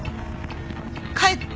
帰って。